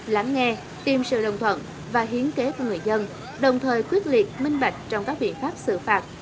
lắng nghe tìm sự đồng thuận và hiến kế của người dân đồng thời quyết liệt minh bạch trong các biện pháp xử phạt